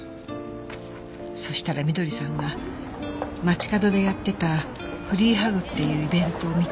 そしたら翠さんが街角でやってたフリーハグっていうイベントを見て。